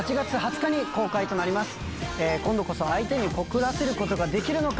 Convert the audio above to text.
今度こそ相手に告らせることができるのか？